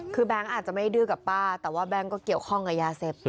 คือแบงค์อาจจะไม่ดื้อกับป้าแต่ว่าแบงค์ก็เกี่ยวข้องกับยาเสพติด